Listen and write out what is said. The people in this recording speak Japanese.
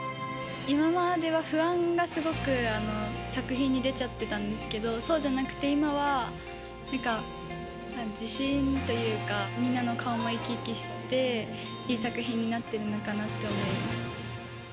今までは不安がすごく作品に出ちゃってたんですけど、そうじゃなくて、今はなんか、自信というか、みんなの顔も生き生きして、いい作品になってるのかなと思います。